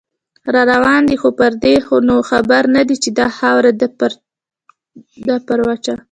راروان دی خو پردې نو خبر نه دی، چې دا خاوره ده پر وچه